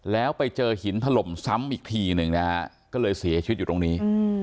แล้วไปเจอหินถล่มซ้ำอีกทีหนึ่งนะฮะก็เลยเสียชีวิตอยู่ตรงนี้